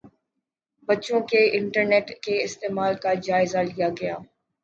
بچوں کے انٹرنیٹ کے استعمال کا جائزہ لیا گیا